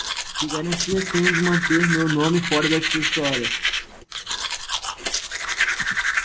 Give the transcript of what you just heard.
Que garantias tenho de manter o meu nome fora da sua história?